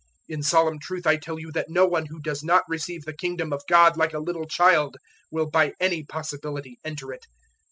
010:015 In solemn truth I tell you that no one who does not receive the Kingdom of God like a little child will by any possibility enter it."